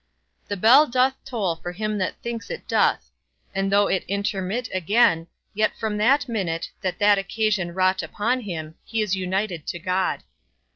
The bell doth toll for him that thinks it doth; and though it intermit again, yet from that minute that that occasion wrought upon him, he is united to God.